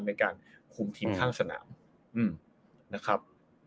ในการคุมทีมข้างสนาม